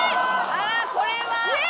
あらこれは。